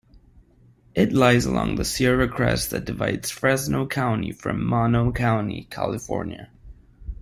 It lies along the Sierra Crest that divides Fresno County from Mono County, California.